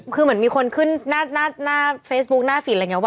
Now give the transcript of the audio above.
คือเหมือนมีคนขึ้นหน้าเฟซบุ๊กหน้าฟินอะไรอย่างนี้